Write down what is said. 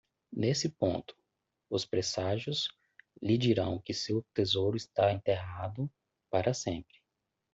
Nesse ponto, os presságios lhe dirão que seu tesouro está enterrado para sempre.